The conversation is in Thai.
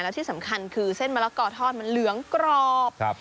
ที่สำคัญคือเส้นมะละกอทอดมันเหลืองกรอบ